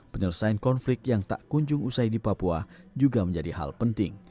penyelesaian konflik yang tak kunjung usai di papua juga menjadi hal penting